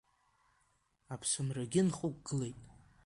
Аԥсымрагьы нхықәгылеит.